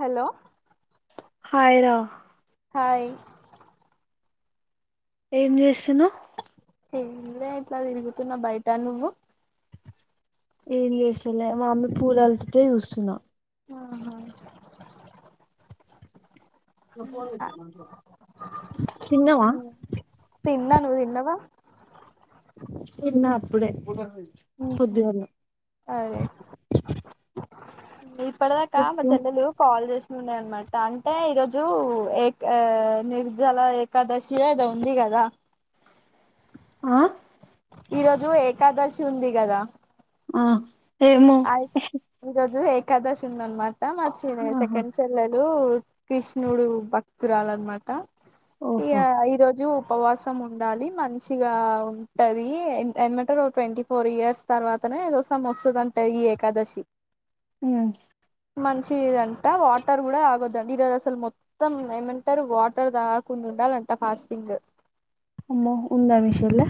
Hello hi రా hi ఏం జేస్తున్నావ్ ఏం లే ఇట్ల తిరుగుతున్న బయట నువ్వు ఏం జేస్తలే మా మమ్మీ పూల్ అల్తే చూస్తున్న ఆహా తిన్నావా తిన్న నువ్ తిన్నవ తిన్న అప్పుడే పొద్దుగాల అదే ఇప్పటిదాకా మా చెల్లెలు కాల్ చేస్తూ ఉండే అనమాట అంటే ఈరోజు ఏ నిర్జల ఏకాదశి ఏదో ఉంది కదా ఆ ఈరోజు ఏకాదశి ఉంది గదా ఆ ఏమో ఆయ ఈరోజు ఏకాదశి అనమాట మా ఆహా సెకండ్ చెల్లె వచ్చి కృష్ణుడు భక్తురాల అన్నమాట ఇగ ఓహో ఈ ఈరోజు ఉపవాసం ఉండాలి మంచిగా ఉంటది ఏంటారు ట్వంటీ ఫోర్ ఇయర్స్ తర్వాత ఏదోసం వస్తుదంటే ఈ ఏకాదశి అ మంచి ఇదంటా వాటర్ కూడా ఆగొద్దండి ఈరోజు అసలు మొత్తం ఏమంటారు వాటర్ తాగకుండా ఉండాలంటా ఫాస్టింగ్ అమ్మో ఉందా మీ చెల్లె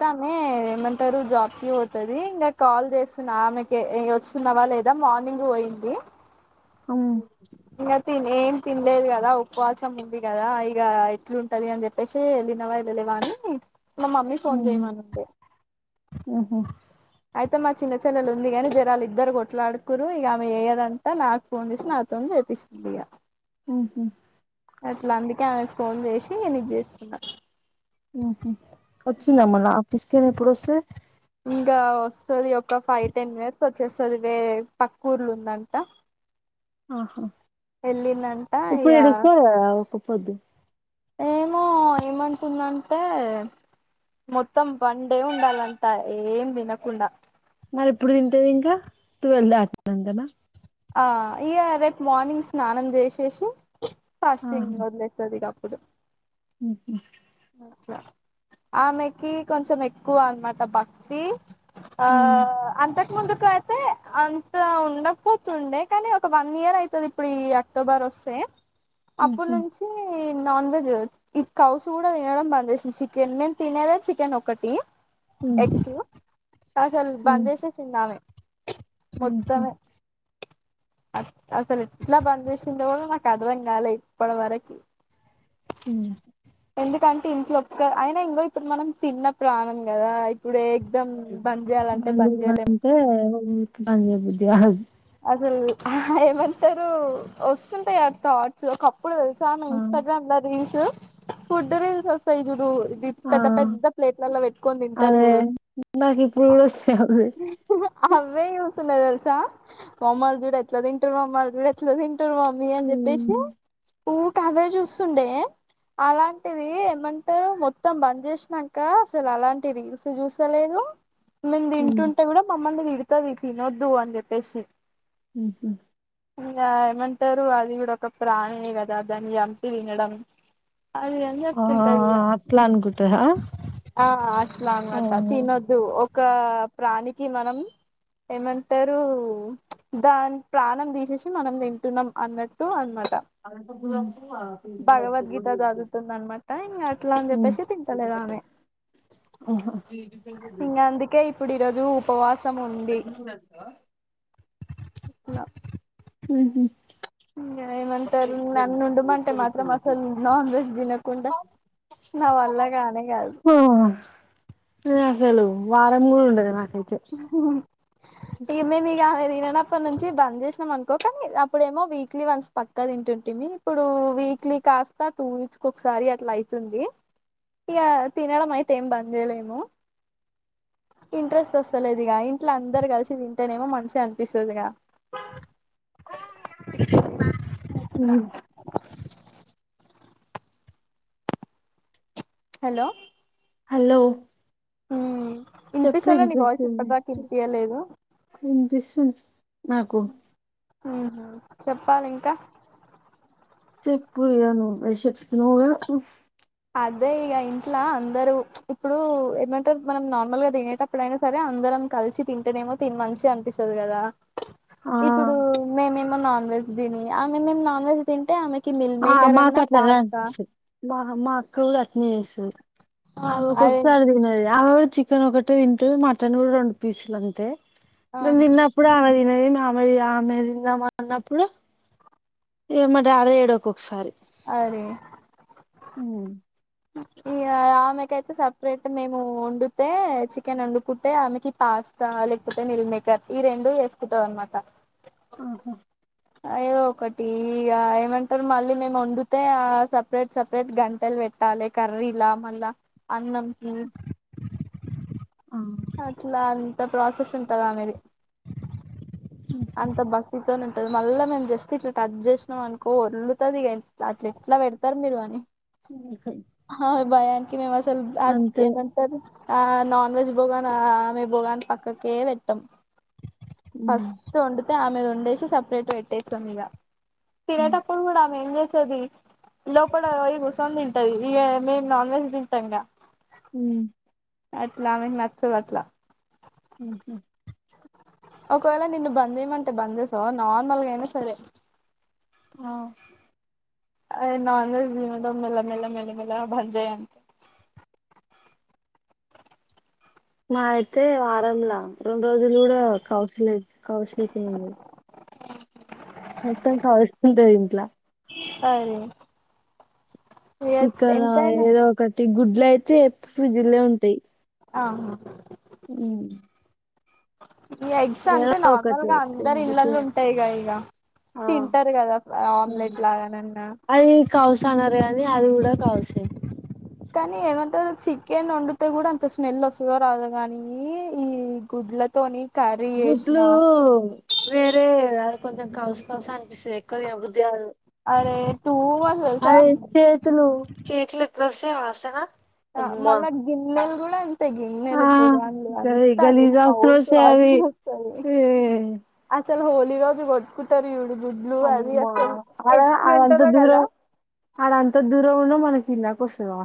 తామే ఏమంటారు జాబుకి పోతుది ఇంకా కాల్ చేస్తున్నా ఆమెకు ఈగ వచ్చిందేమో లేదా మార్నింగ్ పోయింది ఉమ్ ఇంక తినే తినలేదు కదా ఉపవాసం ఉంది కదా ఇగ ఎట్లుంటుంది అని చెప్పేసి వినవా వెళ్ళలేవాని మా మమ్మీ ఫోన్ ఉమ్ చేయమనండి ఉహు అయితే మా చిన్న చెల్లలు ఉంది కానీ జర వాళ్ళ ఇద్దరు కొట్లాడుకురు ఇగ ఆమె ఎయ్యదంతా నాకు ఫోన్ చేసి నాతో తెపిస్తుంది ఇగా ఉహు అట్లా అందుకే ఆమెకు ఫోన్ చేసి నీను చేస్తున్నా ఉహు వచ్చిందా మొన్న ఆఫీస్కే ఎప్పుడు వస్తది ఇంకా వస్తది ఒక ఫైవ్ టెన్ మినిట్స్ వచ్చేస్తుంది వే పక్క ఊర్ల ఉందంట ఆహా వెళ్ళిందంట ఇప్పుడు ఇక ఇడుస్తాదీ కదా ఒకపోద్దు ఏమో ఏమనుకుందంటే మొత్తం వన్ డే ఉండాలంత ఏం తినకుండా మరి ఎప్పుడు తింటేది ఇంకా టువెల్ దాటినంక నా ఆ ఇగ రేపు మార్నింగ్ స్నానం చేసేసి ఆహా ఫాస్టింగ్ వదిలేస్తది ఇగ [inaudible] ఉమ్ అ ఆమెకి కొంచెం ఎక్కువ అనమాట భక్తి అ ఉమ్ అంద ముందుకు అయితే అంత ఉండకపోతుండే కానీ ఒక వన్ ఇయర్ అవుతుంది ఇప్పుడు ఈ అక్టోబర్ సే ఉమ్ అప్పటినుంచి ఈ నాన్ వెజ్ ఈకౌ చూడము కూడా తిండం బంద్ చేసిన చికెన్ మేము తినేదా చికెన్ ఒకటి ఎగ్స్ అసలు ఉమ్ బంద్ చేసెసింది ఆమె ఉమ్ ఉహు మొత్తమే [inaudible] అ అసలు ఎట్లా బంద్ చేసిందో కూడా నాకు అర్థం కాలే ఇప్పటి వరకి ఉ ఎందుకంటే ఇంట్లో ఒక అయినా ఇంకో ఇప్పుడు మనం తిన్న ప్రాణం కదా ఇప్పుడే ఎందుకంటే పంచే బుద్ధి కాదు అసలు ఏమంటారు వస్తుంటాయి ఆ థాట్స్ ఒక ఇప్పుడు తెలుసాను ఆ ఇన్స్టాగ్రామ్ లో రీల్స్ ఫుడ్ రీల్స్ వస్తాయి చూడు ఇది ఆ పెద్ద పెద్ద ప్లేట్లల్లో పెట్టుకొని తింటారు అదే చూడు నాకు ఇప్పుడు కూడా వస్తాయ్ అవి అవే వస్తున్నాయి తెలుసా మామ్మలు చూడు ఎట్లా తింటూరో మామ్మలు చూడు ఎట్లా తిం టూరో మమ్మీ అని చెప్పేసి ఊకే అవే చూస్తుండే అలాంటిది ఏమంటారు మొత్తం బంద్ చేసినంక అసలు అలాంటి రీల్స్ చూస్తలేదు మేము ఉమ్ తింటుంటే కూడా మమ్మల్ని తిడుతది తినొద్దు అని చెప్పేసి ఉహు ఇంగ ఏమంటారు అది కూడా ఒక ప్రాణి ఏ కదా దాన్ని చంపి తినడం అది అన్ని ఆ చెప్తుంటదిగా అట్లా అనుకుంటదా ఆ అట్లానిమాట అవును తినొద్దు ఒక ప్రాణికి మనం ఏమంటారు దాని ప్రాణం తీసేసి మనం తింటున్నాం అన్నట్టు అనమాట భగవద్గీత చదువుతుంది అనమాట ఇంగ అట్లా ఉమ్ చెప్పేసి తింటాలేదుట రామే ఆహా అందుకే ఇప్పుడు ఈరోజు ఉపవాసం ఉండి ఇట్లా ఉహు ఉ ఏమంటారు నన్ను ఉండుమంటే మాత్రం అసలు నాన్ వెజ్ తినకుండా నా వల్ల కానే కాదు ఓ నేను అసలు వారం కూడా ఉండదు నాకు ఇగ మేము ఆ మేది చిన్నప్పుడు నుంచి బంద్ చేసినాం అనుకో కానీ అప్పుడేమో వీక్లీ వన్స్ పక్కా తింటుంటిమి ఇప్పుడు వీక్లీ కాస్తా టూ వీక్స్ ఒకసారి అట్లా అయితుంది ఇక తినడం అయితే ఏం బంద్చేయలేము ఇంట్రెస్ట్ వస్తలేదు ఇగ ఇంట్లో అందరూ కలిసి తింటేనేమో మంచిగా అనిపిస్తదిగా ఇప్పుడ ఉమ్. హలో హలో ఉ చెప్పు ఇనిపిస్తేలేదు నీ వాయిస్ వినిపిస్తుంది ఇప్పటిదాక ఇనిపియ్యలేదు వినిపిస్తుంది నాకు ఉహు చెప్పాలి ఇంకా చెప్పు ఇగ నువ్వే చెప్తున్నావ్ గా ఊప్ అదే ఇగ ఇంట్లో అందరూ ఇప్పుడు ఏమంటారు మనం నార్మల్ గా తినేటప్పుడు అయినా సరే అ అందరం కలిసి తింటేనేమో తిని మంచిగా అనిపిస్తది కదా ఆ ఇప్పుడు మేమేమో నాన్ వెెజ్ తిని ఆమె మేమో నాన్ వెెజ్ తింటే ఆమెకి మిల్ ఆ మేకర్ అన్నా మాకాట్లా రన్ పాస్తా సు అమ్మా మా అక్క కూడా అట్నే చేస్తది అ ఒ అదే ఒక్కొక్కసారి తినది ఆమె కూడా చికెన్ ఒకటే తింటది మటన్ కూడా రెండు పీసులు అంతే నేను ఆహా తిన్నప్పుడే ఆమె తినది ఆమెది ఆమె తిందామన్నప్పుడు ఇగ మా డాడి తెడు ఒక్కొక్కసారి అరే ఉమ్. ఇంక ఆమెకయితే సపరేట్ మేము వండుతే చికెన్ వండుకుంటే ఆమెకి పాస్తా ఉంటే మిల్మేకర్ ఈ రెండు వేసుకుంటది అన్నమాట ఆహా ఏదో ఒకటి ఇగ ఏమంటారు మళ్ళీ మేము వండితే సపరేట్ సపరేట్ గంటలు పెట్ ట్టాలి కర్రీలా మళ్ళా అన్నం కి ఆ అట్లా అంత ప్రాసెస్ ఉంటది ఆమెది అంత భక్తితోని ఉంటది. మళ్ళా మేము జస్ట్ ఇట్లా టచ్ చేసినాం అనుకో వర్లుతది ఇగ అట్లా ఎట్లా పెడతారు మీరు అని ఓకే. హ ఆ భయానికి మేము అసలు బ్లాగ్ అంతే ఏమంటారు ఆ నాన్ వెజ్ బుగాన్ ఆ ఆమె బుగాన్ పక్కకే పెట్టం ఉ అందుకే ఆమె వండేసి సపరేట్గా పెట్టేస్తాం ఈగ తినేటప్పుడు కూడా ఆమె ఏం చేస్తు వస్తది లోపట కూసోనితింటది ఇగమేము నాన్ వెజ్ తింటాంగా హూ అట్లామె నచ్చదు అట్లా హుహుః ఒకవేళ నిన్ను బందేమంటే బంద చేస్తావానార్మల్గా అయినా సరే ఆ అ నాన్ వెజ్ తినడం మెల మెల మెల మెల భంజేయాలి. మా అయితే వారంలా రెండు రోజులు కూడా కౌసు లే కౌసు లేకుండా ఉండది. మొత్తం కౌస్ ఉంటది ఇంట్లో సరే ఇక్కడ ఏదో ఒకటి గుడ్లు అయితే ఫ్రిడ్జ్లే లో ఉంటాయి. అహ హ ఈ ఎగ్స్ అంటే నార్మల్గా అందరు ఒకటి ఇళ్ళలు ఉంటాయి కదా ఇగ ఆ తింటారు కదా ఆమ్లెట్ లాగానన్నా అది కౌసు అనరు కానీ అది కూడా కౌసే కానీ ఏమంటారు చికెన్ వండితే కూడా అంత స్మెల్ వస్తుందో రాదోగాని ఏంది ఈ గుడ్లతోని కర్రీ చేసిన గుడ్లు వేరే అది కొంచెం కౌసు క హౌస్ అం నీ సేక లేవబుద్ధి గాదు అరే టూ మచ్ తెలుసా అదే చేతులు చేతులు ఎట్లొస్తాయి వాసన అ అమ్మా మళ గిన్నెలు గుడాన్ ఆ ఈగిన్నెలు బుగాన్లు గలీ అంతా అది గలీజ్ వాసన కౌసు వస్తాయి వాసన అవి వస్తది. ఏ అద్ చాల హోలిరోజు కొట్కు కుట్టారు చూడు గుడ్లు అది అమ్మా అసలు అ అంత ఎట్లుంటదో దూర కదా అడంత దూర ఏమైందన్నా నీకు చిరాకు వస్తదా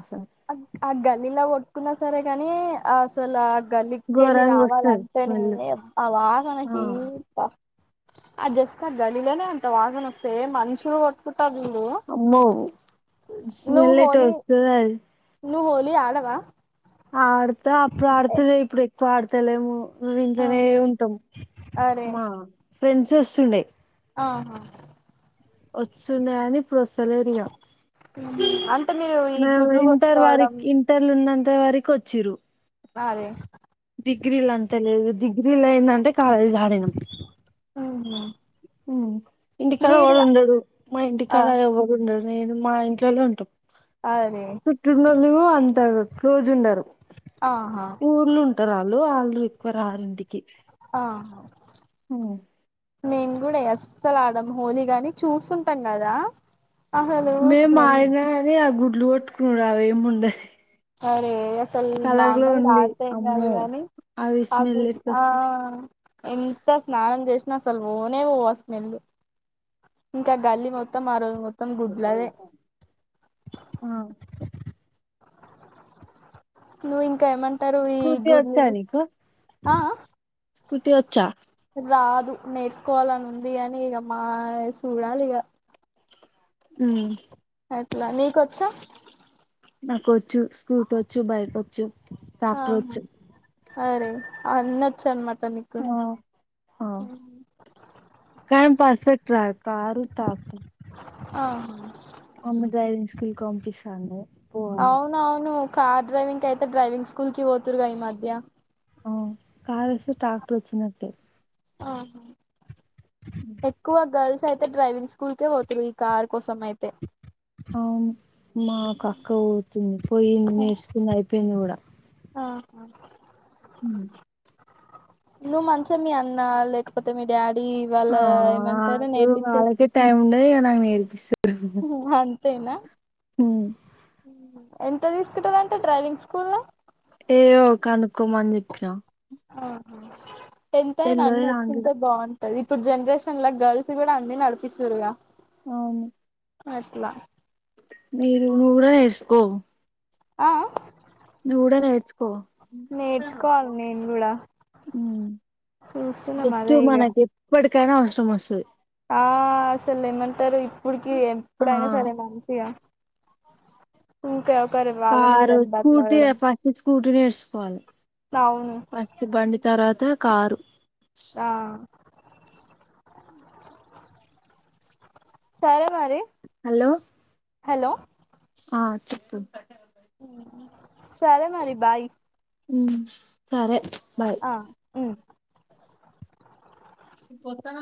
ఆ గల్లీలా కొట్టుకున్నా సరే కాని అసలఆ గలికిళ్ళి ఘోరంగా వస్తది రావాలంటేనే స్మెల్ ఆ అబ్బావాసనకి అబ్బా అ జస్ట్ అ గల్లిలోనే అంతా వాసన వస్తది మనుషులు కొట్టుకు ట్టాను అమ్మో నువ్ స్మెల్ ఎటో హోళి వస్తది అది నువ్వు హోలీ ఆడవా? ఆడతా అప్పుడు ఆడుతలే ఇప్పుడు ఎక్కువ ఆడతలేము. మేము ఇంట్లోనే ఆహా ఉంటాం అరే మా ఫ్రెండ్స్ వస్తుండే ఆహా వచ్చిందాని ఇప్పుడు వస్తలే రీగా అంటే మీరు ఈ మేము గుడ్లు ఇంటర్ కొట్టుకోవడం వారికిఇంటర్లు ఉన్న ఇంటర్ వరకి వచ్చిండ్రు అరే డిగ్రీలు అంతా లేదు. డిగ్రీ లేందంటే కాలేజ్ ఆడిన ఉహు ఉ ఇంటికాడ మీరు ఎవరు ఉండడు మా ఆ ఇంటికాడ ఎవడు ఉండడు నేను మా ఇంట్లోలో ఉంటం అరే పుట్టిన్లో అంత క్లోజ్ ఉండరు ఆహా ఊర్ళు ఉంటారు వాళ్ళు వాళ్ళు ఎక్కువ రారింటికి ఆహా ఉ మేము కూడా అస్సలు ఆడమ్ హోలీగాని చూసుంటాం కదా అసలు మేము స్మెల్ మాడినా కాని ఆ గుడ్లు కొట్టుకున్నాడు అవ ఏమి ఉండదు అరే అసలు కలర్లు నానా ఓన్లీ రాత కాదు అమ్మో కాని అవి ఆ స్మెల్ గుడ్లు ఆ ఎట్లొస్తది ఎంతస్నానం చేసిన అసలు పోనే పోదూ ఏ స్మెల్లు ఇంకా గల్లి మొత్తం ఆరోజ మొ ఆ నువ్వు ఇంకా ఏమంట టారు స్కూటీ గు వచ్చా నీకు ఆ స్కూటీ వచ్చా రా దూ నేర్చుకోవాలని ఉంది అని ఇక మా చూడాలి ఇక ఆ నీకు వచ్చా నాకు వచ్చు స్కూటీ వచ్చు బైక్ వచ్చు ట్రాక్టర్ వచ్చు అరిే అన్ వచ్చు అనమాట నీకు కానీ పస్ఫెక్ట్ రాదు కారు మా ఆహా అమ్మ డైరింగ్ స్కూలుకి పంపిస్తది అవున అవును కార్ డ్రైవింగ్ అయితే డ్రైవింగ్ స్కూల్ కి పోతురుగా ఈ మధ్య కార్ వస్తే ట్రాక్టర్ వచ్చినట్టే ఆహా ఎక్కువ గర్ల్స్ అయితే డ్రైవింగ్ స్కూల్కే పోతురు ఈ కార్ కోసం అయితే అవును మా అక్కపోతుంది పోయింది నేర్చుకున్నా అయిపో పోయింది కూడా ఆహా హ నువ్ మంచి మీ అన్న లేకపోతే మీ డాడీ ఈ వాళ్ళ ఆ ఏమంటార నేర్పిచ్చే న నరుపిస్ అంతేనా ఉమ్. ఎంత తీసుకుంటారు అంట ట్రైవింగ్ స్కూల్ లో ఏమో కనుక్కోమని చెప్పినా ఆహ ఎంతయనన్ను తెల్వదు నాకు కూడా వచ్చింతే బాగుంది ఇప్పుడు జనరేషన్ లా గర్ల్స్ కూడా అన్ని నడిపిస్తురుగా అవును అట్లా మీరు ను్వు కూడా నీసుకో ఆఆ నువ్వు కూడా నేర్చుకో నేర్చుకోవాలి నేను కూడా చుస్తునాం జస్ట్ అదే ఇగా మనకి ఎప్పటికైనా అవసరం వస్తాది ఆ అసలు ఏమంటారు ఇప్పుడుకి ఆ ఎప్పుడైనా సరే మంచిగా ఇకా కారు స్కూటి ఏ ఫస్ట్ స్కూటి నెర్స్ చుకోవాలి అవును ఫస్ట్ బండి తర్వాత కారు ఆహ్ సరే మరి హలో హలో ఆహ్ చెప్పు ఉమ్ సరే మరి బాయ్ ఉమ్ సరే బాయ్ ఆహ్ ఉమ్ పోత్తనా